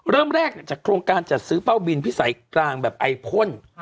เริ่มแรกจากโครงการจัดซื้อเป้าบินพิสัยกลางแบบไอพ่น